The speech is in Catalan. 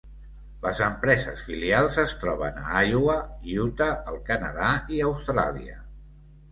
Les empreses filials es troben a Iowa, Utah, el Canadà i Austràlia.